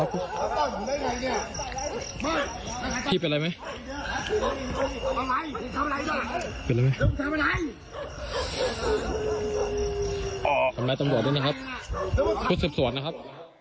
ทำร้ายตำรวจด้วยนะครับชุดสืบสวนนะครับ